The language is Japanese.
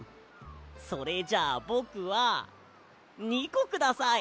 それじゃあぼくは２こください。